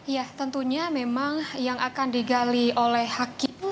ya tentunya memang yang akan digali oleh hakim